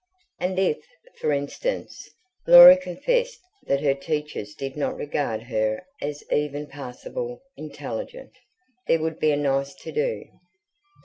And if, for instance, Laura confessed that her teachers did not regard her as even passably intelligent, there would be a nice to do.